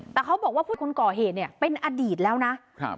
แต่เขาบอกว่าผู้คนก่อเหตุเนี่ยเป็นอดีตแล้วนะครับ